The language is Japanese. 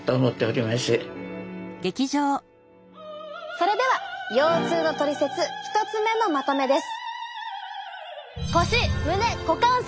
それでは腰痛のトリセツ１つ目のまとめです。